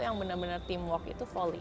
yang bener bener teamwork itu